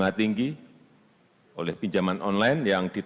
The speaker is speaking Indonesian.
dan mencari penipuan yang tertipu dan mencari penipuan yang tertipu